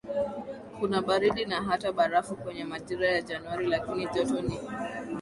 kuna baridi na hata barafu kwenye majira ya Januari lakini joto ni